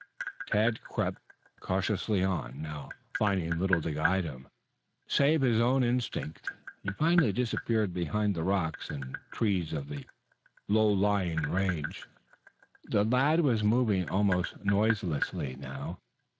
Tad crept, cautiously on, now finding little to guide him, save his own instinct. He finally disappeared behind the rocks and trees of the low lying range. The lad was moving almost noiselessly now.